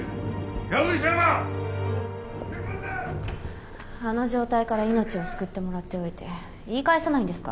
やぶ医者があの状態から命を救ってもらっておいて言い返さないんですか？